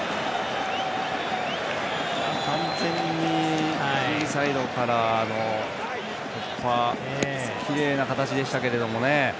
完全にインサイドからの突破、きれいな形でしたけどね。